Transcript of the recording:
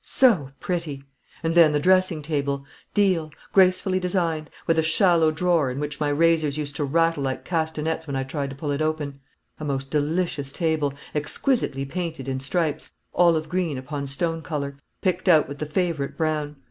So pretty! And then the dressing table: deal, gracefully designed; with a shallow drawer, in which my razors used to rattle like castanets when I tried to pull it open; a most delicious table, exquisitely painted in stripes, olive green upon stone colour, picked out with the favourite brown.